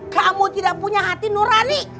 kamu tidak punya hati nurani